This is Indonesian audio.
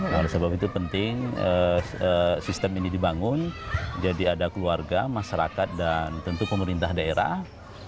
nah oleh sebab itu penting sistem ini dibangun jadi ada keluarga masyarakat dan tentu pemerintah daerah